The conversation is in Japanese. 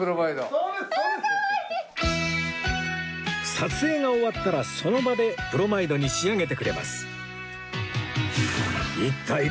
撮影が終わったらその場でプロマイドに仕上げてくれます